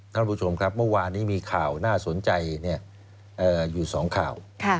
ท่านผู้ชมครับเมื่อวานนี้มีข่าวน่าสนใจอยู่๒ข่าว